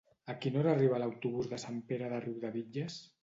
A quina hora arriba l'autobús de Sant Pere de Riudebitlles?